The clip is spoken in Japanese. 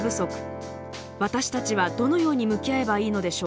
私たちはどのように向き合えばいいのでしょうか。